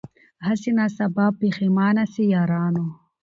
هسي نه سبا پښېمانه سی یارانو